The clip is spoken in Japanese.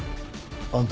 あんた